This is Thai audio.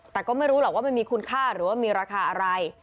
แต่ก็ไม่รู้หรอกว่ามันมีคุณค่าหรือว่ามีราคาอะไร